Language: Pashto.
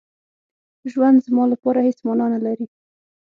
ژوند زما لپاره هېڅ مانا نه لري.